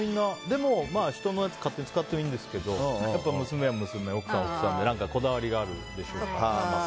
でも、人のやつを勝手に使ってもいいんですけど娘は娘、奥さんは奥さんでこだわりがあるんでしょうね。